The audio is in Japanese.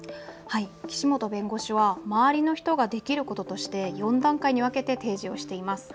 岸本弁護士は周りの人ができることとして４段階に分けて提示しています。